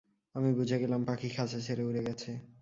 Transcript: আমি বুঝে গেলাম পাখি খাঁচা ছেড়ে উড়ে গেছে।